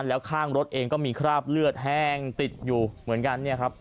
แล้วข้างรถเองก็มีคราบเลือดแห้งติดอยู่เหมือนกันเนี่ยครับ